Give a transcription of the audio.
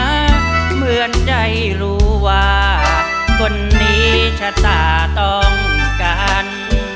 เหมือนได้รู้ว่าคนนี้ชะตาต้องกัน